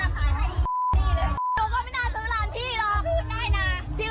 เสร็จ๓๐บาท๓๐บาท